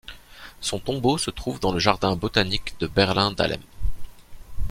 Son tombeau se trouve dans le Jardin botanique de Berlin-Dahlem.